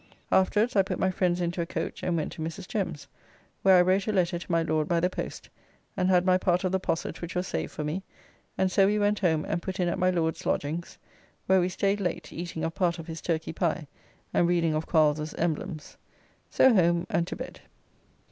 Afterwards I put my friends into a coach, and went to Mrs. Jem's, where I wrote a letter to my Lord by the post, and had my part of the posset which was saved for me, and so we went home, and put in at my Lord's lodgings, where we staid late, eating of part of his turkey pie, and reading of Quarles' Emblems. So home and to bed.